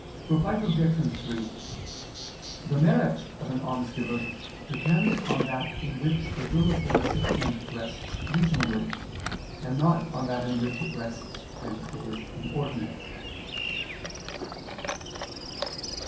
Reply Obj. 3: The merit of an almsgiver depends on that in which the will of the recipient rests reasonably, and not on that in which it rests when it is inordinate.